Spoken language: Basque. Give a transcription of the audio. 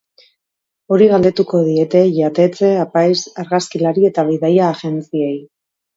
Hori galdetuko diete jatetxe, apaiz, argazkilari eta bidaia ajentziei.